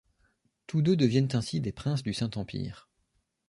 Tous deux deviennent ainsi des Princes du Saint-Empire.